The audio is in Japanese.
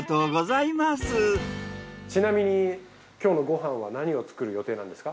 ちなみに今日のご飯は何を作る予定なんですか？